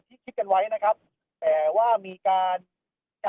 กินดอนเมืองในช่วงเวลาประมาณ๑๐นาฬิกานะครับ